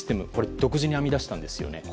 独自に編み出したんですよね。